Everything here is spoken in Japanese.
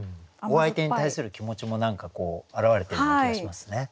お相手に対する気持ちも表れているような気がしますね。